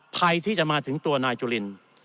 ภัยที่จะมาถึงตัวนายจุลิน